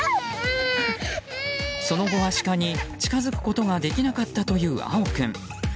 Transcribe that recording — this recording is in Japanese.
その後はシカに近づくことができなかったという蒼君。